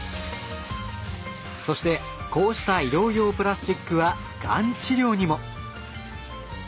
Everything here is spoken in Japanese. そしてこうした医療用プラスチックはがん治療にも。